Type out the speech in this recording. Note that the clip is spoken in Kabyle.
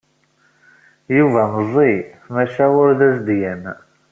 Yuba meẓẓi, maca ur d azedgan.